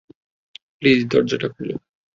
Please দরজাটা খোল।